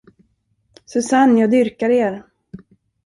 Susanne, jag dyrkar er!